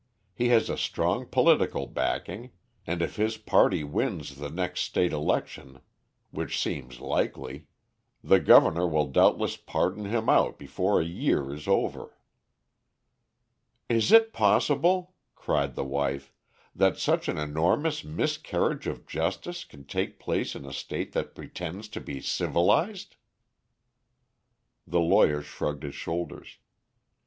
He has a strong political backing, and if his party wins the next state election, which seems likely, the governor will doubtless pardon him out before a year is over." "Is it possible," cried the wife, "that such an enormous miscarriage of justice can take place in a State that pretends to be civilised?" The lawyer shrugged his shoulders.